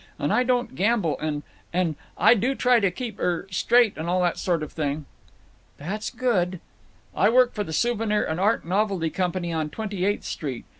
And I don't gamble and—and I do try to keep—er—straight—and all that sort of thing." "That's good." "I work for the Souvenir and Art Novelty Company on Twenty eighth Street.